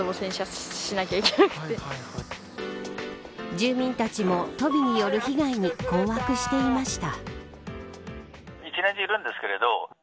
住民たちも、トビによる被害に困惑していました。